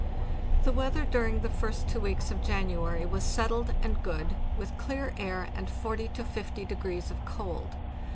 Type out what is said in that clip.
The weather during the two first weeks of January was settled and god, with clear air and 40 to 50 degrees of cold.